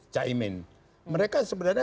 caimin mereka sebenarnya